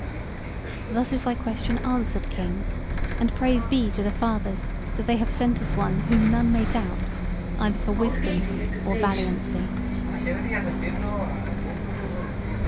Thus is thy question answered, King, and praise be to the Fathers that they have sent us one whom none may doubt, either for wisdom or valiancy."